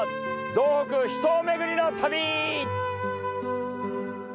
道北秘湯巡りの旅！